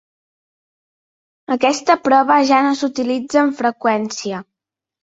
Aquesta prova ja no s'utilitza amb freqüència.